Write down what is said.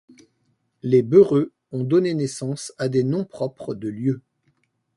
Les beurheux ont donné naissance à des noms propres de lieux.